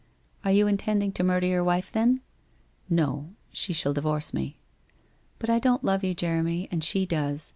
' Are you intending to murder your wife, then? '' No. She shall divorce me.' * But I don't love you, Jeremy, and she does.